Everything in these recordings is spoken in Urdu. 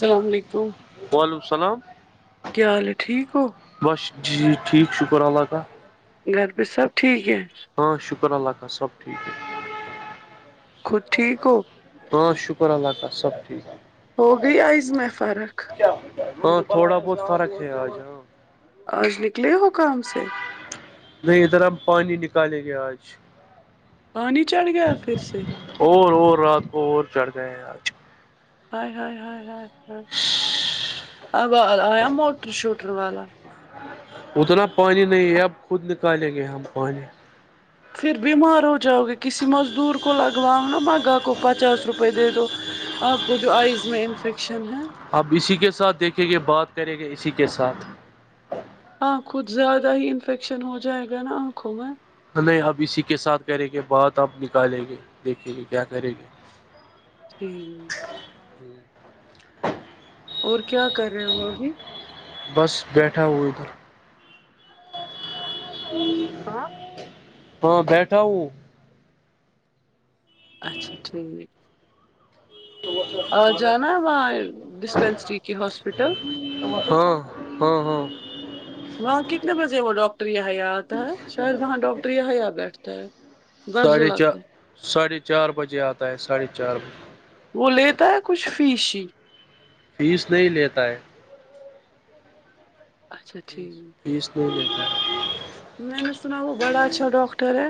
السلام علیکم وعلیکم السلام کیا حال ہے ٹھیک ہو بس جی ٹھیک شکر اللہ تالی گھر پچ سب ٹھیک کیا ہاں شکر اللہ خال سبٹھیک ہے خود ٹھیک ہو ہاں شکر اللہ تالی سب ٹھیک ہو گی آئز م میں فرق ہاں تھوڑا بہت فرق ہے آجاں آج نکلے ہو کام سے نہیں ادھر ہم پانی نکالیں گے آج پانی چڑھ گیا پھر سے اور اور رات کو اور چڑھ گئے ہیں آج ہ ہ ہ آ آیا موٹی شوٹر والا اتنا پانی نہیں ہے اب خود نکالیں گے ہم پانی پھر بیمار ہو جاؤ گے کسی مزدور کو لگواؤ نا مگا کو پچاس روپئے دے دو آپ کو جو آئز میں انفیکشن ہے اپ اسی کے ساتھ دیکھیں گے بات کریں گے اسی کے ساتھ آاںکھود زیادہ ہی انفیکشن ہو جائے گا نا آنکھوں میں نہیں اب اسی کے ساتھ کریں گے بات آپ نکالیں گے دیکھیں گے کیا کریں گے ٹھیک اور کیا کر رہے ہیں وہ ابھی بس بیٹھا ہ ادھر [unintelligible] ہاں ہاں بیٹھا ہوں اچھا ٹھیک آ جانا ہے وہاں ڈسپینسری کے ہاسپٹل ہاں ہاں ہاں وہاں کتنے بجے وہ ڈاکٹر یہاں یہ آتا ہے شاید وہاں ڈاکٹر یہیا بیٹھتا ہے ساڑھے برزولا چار کا ساڑھے چار بجے آتا ہے ساڑھے چار بجے وہ لیتا ہے کچھ فیش ہی فیس نہیں لیتا ہے اچھا فیس ٹھیک فیس نہیں لیتا ہے میں نے سنا وہ بڑا اچھا ڈاکٹر ہے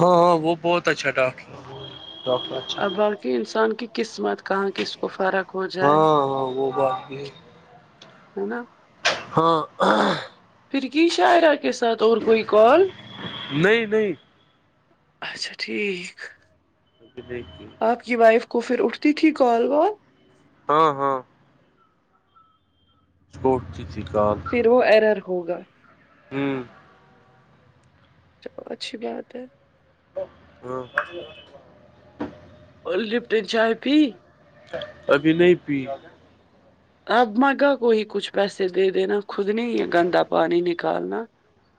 ہاں ہاں وہ بہت اچھا ڈاکٹرٹر کہ انسان کی قسمت کہاں کس کو فرق ہو جائے ہاں ہاں وہ بات بھی ہے ہے نا ہاں پھر کی شاعرہ کے ساتھ اور کوئی کال نہیں نہیں اچھا ٹھیک ایکیک دیکے [unintelligible] آپ کی وائف کو پھر اٹھتی تھی کال وال ہاں ہاں اس کووٹ کی تھی کال پھر وہ ایرر ہوگا ہوں اچھی بات ہے ہوں اور لفٹ این چاہ پی کبھی نہیں پی آب مگا کو کچھ پیسے دے دین خود نہیں گند پانی نکالنا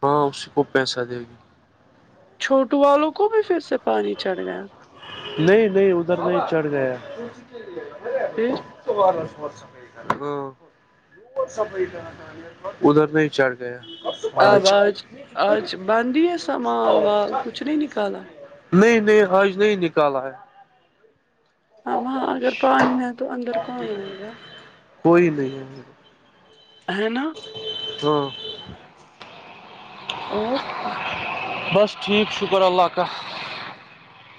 ہاں اسی کو پیسہ دے گی چھوٹو والوں کو بھی پھر سے پانی چڑھ گیا نہیں نہیں ادھر نہیں چڑھ گیا پی [unintelligible] ادھر نہیں چڑھ ج [unintelligible] آب آج آج بند ہی ہےا مال وال کچھ نہیں نکالا [unintelligible] نہیں نہیں حج نہیں نکالا ہے ہاں اگر پانی ہے تو اندر کون آئے گا کوئی نہیں ہے نا ہاں اور بس ٹھیک شکر اللہ کااں [unintelligible]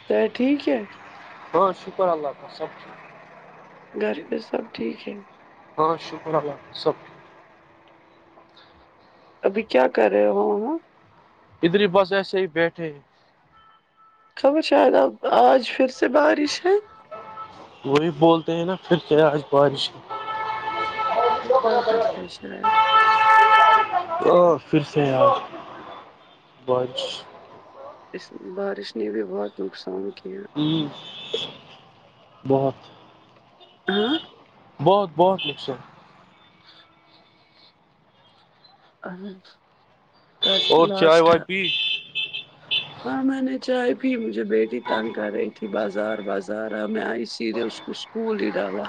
س ٹھیک ہے ہاں شکر اللہ خف سب گھر پہ سب ٹھیک ہے ہاں شکر اللہ سب ابھی کیا کر رہے ہو ہو ادھر ہی بس ایسے ہی بیٹھے خبر شاید اب آج پھر سے بارش ہے وہی بولتے ہیں نا پھر کیا آج بارش کل تک ہے شاید ا پھر سے یار بج اس بارش نے بھی بہت نقصان کیا ہیں بہت ہاں بہت بہت لکھتے ان اور چائے وائے پی ہاں میں نے چائے پی مجھے بیٹی تنگ کر رہی تھی بازار بازار میں آئی سیدھے اس کو اسکول ہی ڈالا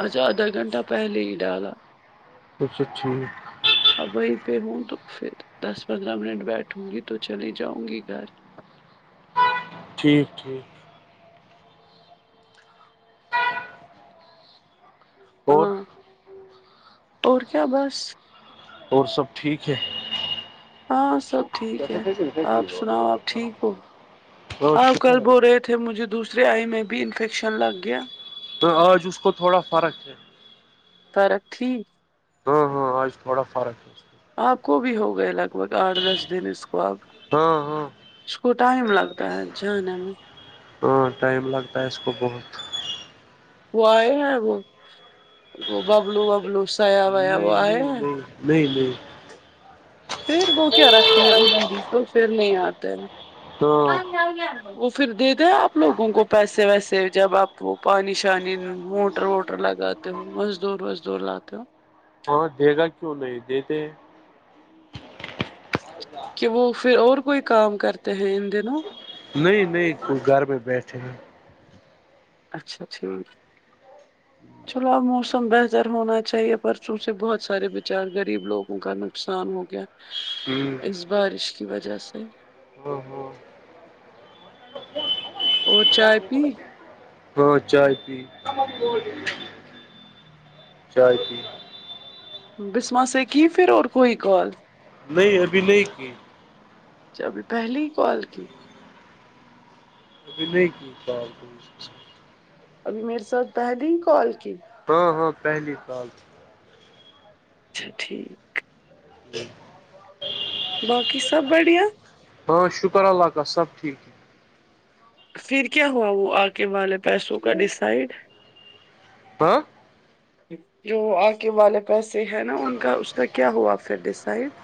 آج آدھا گھنٹہ پہلے ہی ڈالا اچ سا ٹھیک اب وہیں پہ ہوں تو پھر دس پندرہ منٹ بیٹھوں گی تو چلی جاؤں گی گھر ٹھیک ٹھیک اور ہاں اور کیا بس اور سب ٹھیک ہے ہاں سب ٹھیک ہے آپ سناؤ آپ ٹھیک ہو بہت آپ شکر کل اللہ بول رہے ے مجھے دوسر آئی میں بھی انفیکشن لگ گیا تو آج اس کو تھوڑا فرق ہے فرق تھی ہاں ہاں آج تھوڑا فرق آپ کو بھی ہو گئے لگ بھگ آٹھ دس دن اس کو آپ کو ہاں ہاں اس کو ٹائم لگتا ہے جانے میں ہاں ٹائم لگتا ہے اس کو بہت وہ آئے ہیں وہ وہ ببلو وبلو سیا ویا وہ نہیں آئے نہیں ہیں نہیں نہیں نہیں پھر وہ کیا رکھتے ہیں انلہن توھر نہیں آتا ہاں وہ پھر دے دیں آپ لوگوں کو پیسے ویسے جب آپ وہ پانی شانی موٹر ووٹر لگا تو مز دور وز دور لاتو ہاں دے گا کیوں نہیں دیتے کہ وہ پھر اور کوئی کام کرتے ہیں ان دنوں نہیں نہیں کوئی گھر میں بیٹھے ہیں اچھا اچھا [unintelligible] چلو اب موسم بہتر ہونا چاہیے پرسوں سے بہت سارے بچار غریب لوگوں کا نقصان ہو گیا [unintelligible] [unintelligible] اس بارش کی وجہ سے [unintelligible] [unintelligible] اور چائے پی ہاں چائے پی چائے پی بسما سےکی پھر اور کوئی کال نہیں ابھی نہیں کی ابھی پہلی ہی کال کی ابھی نہیں کی تھا ابھی میرے ساتھ پہلے ہی کال کی ہاں ہاں پہلی سال اچھا ٹھیک جی [inaudible] باقی سب بڑھیا ہاں شکر اللہ کا سب ٹھیکیک پھر کیا ہوا وہ آگ والے پیسوں کا ڈسائڈ ہ [unintelligible] جو آ کےے والے پیسے ہیں نا ان کا اس کا کیا ہوا پھر ڈسائڈ [unintelligible]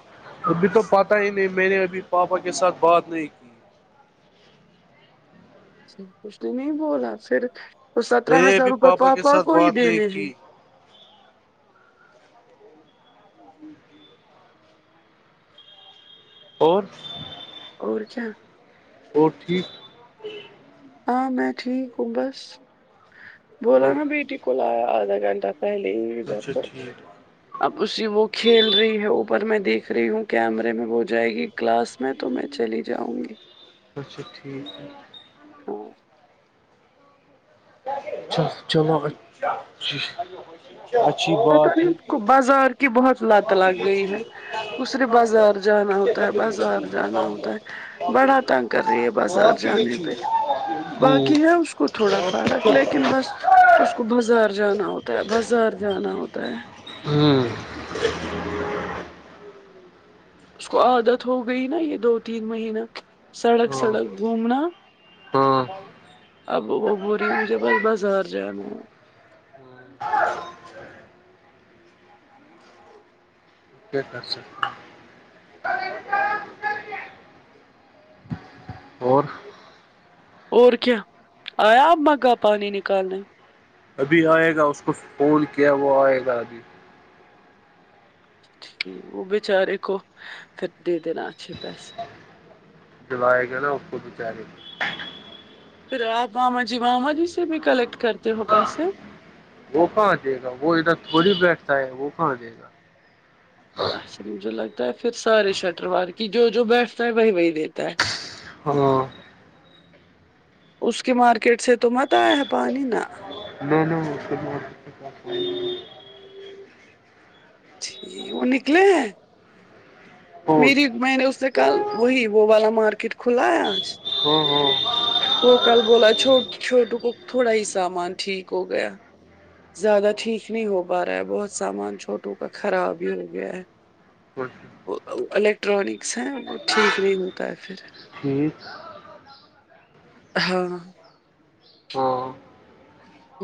ابھی تو پتہ ہی نہیں میں نے ابھی پاپا کے ساتھ بات نہیں کی کچھ تو نہیں بولا پھر وہ سترہ میں نے ہزار ابھی روپئے کے پاپا ساتھ کو ہی بات نہیں دنے جی کی اور اور کیا اور ٹھیک ہاں میں ٹھیک ہوں بس بولا اور نا بیٹی کول آیا آدھا گھنٹہ پ لے اچھا یہدپ ٹھیک [unintelligible] اب اسی وہ کھیل رہی ہے اوپر میں دیکھ رہی ہوں کیمرے میں وہ جائے گی کلاس میں تو میں چلی جاؤں گی اچھا ٹھیک ہے [unintelligible] ہاں [inaudible] چ چلو اچھ [unintelligible] بازار کیی بہت لت ہاں لگئی ہے کسر بازار جانا ہوتا ہے بازار جانا ہوتا ہے بڑا تنگ کر رہی ہے بازار جانے ہاں پہ باقی ہے اس کو تھوڑا فرق لیکن بس اس کو بازار جانا ہوتا ہے بازار جانا ہوتا ہے ہوں [unintelligible] اس کو عادت ہو گئی نا یہ دو تین مہین سڑک سڑک گھومنا ہاں اب وہ ب رہی مجھے بس بازار جانا ہے [unintelligible] ٹھیکا سے [unintelligible] اور اور کیا آیا اب مگا پانی نکالنے [unintelligible] ابھی آئے گا اس کو فون کیا وہ آئے گا ابھی وہ بچارے کو پھر دے دینا اچھے پیسے جلائے گا ا خو ب چارے گ [inaudible] پھر آپ ماما جی ماما جی سے بھی کلیکٹ کرتے ہو پیسے وہ کہاں دے گا وہ ادھر تھوڑی بیٹھتا ہے وہ کہاں دے گا آصریم جو لگتا ہے پھر سارے شٹروار کی جو جو بیٹھتا ہے وہی وہی دیتا ہے ہاں [inaudible] اس کے مارکیٹ سے تو مت آیا ہے پانی نا بات ٹھیک ہے وہ نکلے ہیں فون میری میں نے اس سے کل وہی وہ والا مارکیٹ کھلا ہے آج ہاں ہاں وہ کل بولا چھوٹ چھوٹو کو تھوڑا ہی سامان ٹھیک ہو گیا زیادہ ٹھیک نہیں ہو پا رہا ہے بہت سامان چھوٹوں کا خراب ہی ہو گیا ہے ہاں الیکٹرانکس ہیں وہ ٹھیک نہیں ہوتا ہے پھر ٹھیک ہاں ہاں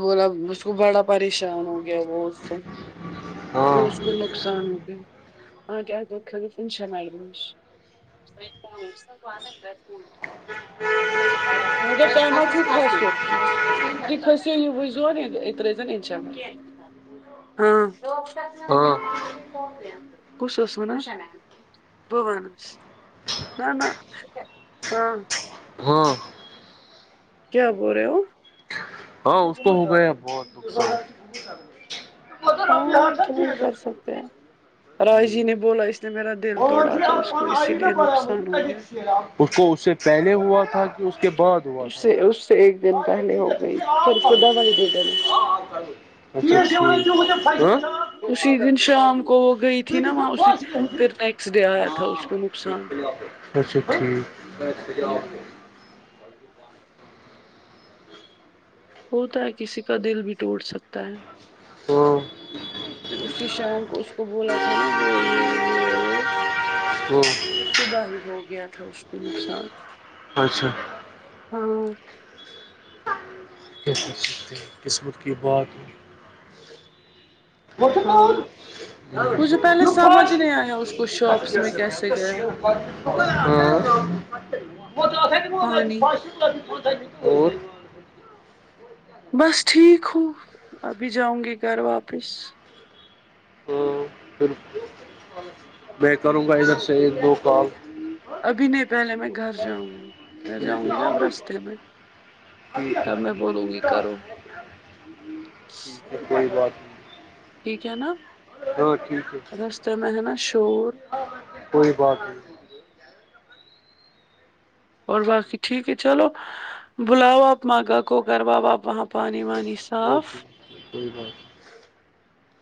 بولا اس کو بڑا پریشان ہو گیا بو تو ہاں جو اس کو نقصان ہو گیا آگ توشن آئی صحیح کہا میں سب ا رہے ہیں گھر پہ [unintelligible] کھسو ز ر انشاء ہاں اللہ ہاں [unintelligible] [unintelligible] بو بالا نہ نہ ہاں ہاں کیا بول رہے ہو ہاں اس کو ہو گیا بہت نقصان ہاں کیا ہی کر سکتے ہیں رائے جی نے بولا اس نے میرا دل توڑا تو اس کو اسی لیے نقصان ہو گیا فوپو اس سے پہلے ہوا تھا کہ اس کے بعد ہوا اس تھا سے اس سے ایک دن ائیے پہلے ٹھیک ہو ہے ٹھیک گئی ہے پھر اس اپ کو دوائی دے دینا ائیے ہاں اپ ہاں ائیے ہا اسی دن شام کو وہ گئی تھی نا وہاں اسی خواہش کے پھر ہوتے نیکسٹ ڈے آیا تھا اس کو نقصان اچھا ٹھیک ہاں ہوتا ہے کسی کا دل بھی ٹوٹ سکتا ہے ہاں [inaudible] اسی شام کو اس کو بولا تھا نا وہ یہ یہ بو ہو پھر صبح ہی ہو گیا تھا اس کو نقصان اچھا ہاں کیا کر سکتے ہیں قسمت کی بات ہاں [unintelligible] مجھے پہلے سمجھ نہیں آیا اس کو شاپس میں کیسے گیا [unintelligible] پانی [unintelligible] بس ٹھیک ہو ابھی جاؤں گی گھر واپس ہو پھر میں کروں گا ادھر سے ایک دو کال ابھی نہیں پہلے میں گھر جاؤں گی میں جاؤں گی نا اب تھا رستے میں ٹھیک تب میں بولوں گی ہے کرو پھر وہی بات ٹھیک ہے نا تو ٹھیک ہے پھر میں ہے نہ شور کوئی بات نہیں اور باقی ٹھیک ہے چلو بلاؤ آپ ماگا کو کر واؤ واپ وہاں پانی وانی صاف اوکے کوئی بات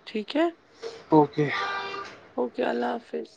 ٹھیک ہے اوکے اوکے اللہ حافظ